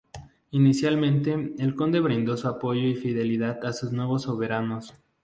Inicialmente, el conde brindó su apoyo y fidelidad a sus nuevos soberanos.